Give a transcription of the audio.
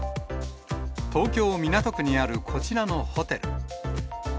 東京・港区にあるこちらのホテル。